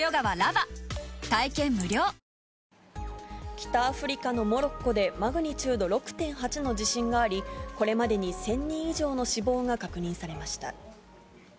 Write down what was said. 北アフリカのモロッコで、マグニチュード６．８の地震があり、これまでに１０００人以上の死亡が確認されました。